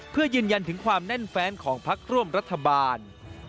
เพื่อยืนยันถึงความแน่นแฟนของพักร่วมรัฐบาล